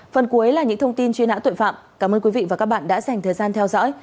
phần cuối là những thông tin truy nã tội phạm cảm ơn quý vị và các bạn đã dành thời gian theo dõi